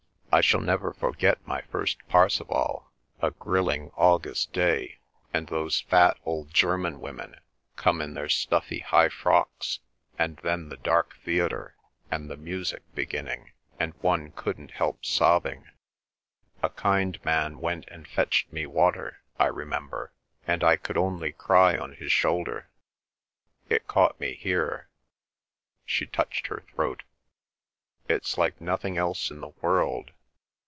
I shall never forget my first Parsifal—a grilling August day, and those fat old German women, come in their stuffy high frocks, and then the dark theatre, and the music beginning, and one couldn't help sobbing. A kind man went and fetched me water, I remember; and I could only cry on his shoulder! It caught me here" (she touched her throat). "It's like nothing else in the world!